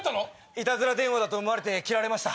いたずら電話だと思われて切られました。